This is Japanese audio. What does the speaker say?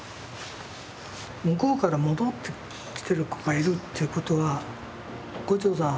向こうから戻ってきてる子がいるということは牛腸さん